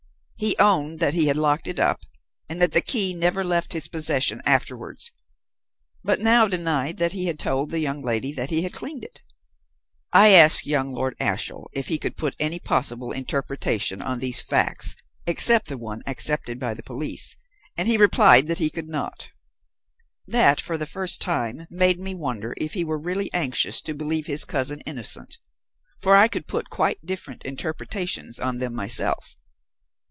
He owned that he had locked it up and that the key never left his possession afterwards, but now denied that he had told the young lady that he had cleaned it. I asked young Lord Ashiel if he could put any possible interpretation on these facts except the one accepted by the police, and he replied that he could not. That, for the first time, made me wonder if he were really anxious to believe his cousin innocent. For I could put quite different interpretations on them myself.